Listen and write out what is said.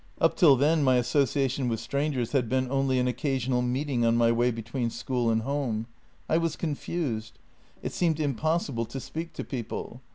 Up till then my association with strangers had been only an occasional meeting on my way be tween school and home. I was confused; it seemed impossible to speak to people.